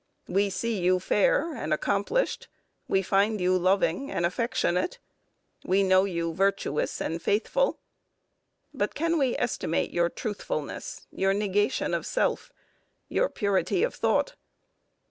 We see you fair and accomplished; we find you loving and affectionate; we know you virtuous and faithful; but, can we estimate your truthfulness, your negation of self, your purity of thought?